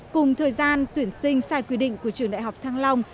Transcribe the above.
cùng thời gian tuyển sinh sai quy định của trường đại học thăng long